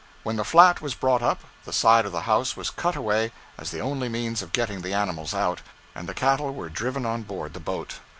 When the flat was brought up, the side of the house was cut away as the only means of getting the animals out, and the cattle were driven on board the boat.